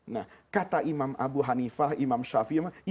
nah kata imam abu hanifah imam shafi'i